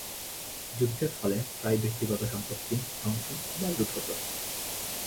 যুদ্ধের ফলে প্রায়ই ব্যক্তিগত সম্পত্তি ধ্বংস বা লুট হতো।